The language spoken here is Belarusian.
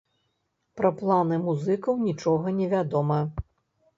Пра планы музыкаў нічога не вядома.